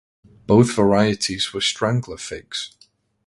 Both varieties were strangler figs.